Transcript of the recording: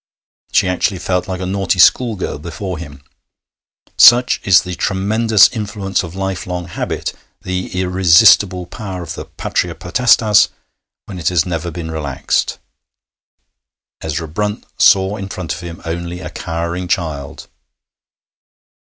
She actually felt like a naughty schoolgirl before him. Such is the tremendous influence of lifelong habit, the irresistible power of the patria potestas when it has never been relaxed. Ezra Brunt saw in front of him only a cowering child.